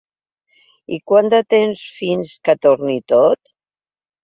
I quant de temps fins que torni tot?